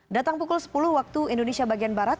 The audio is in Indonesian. datang pukul sepuluh waktu indonesia bagian barat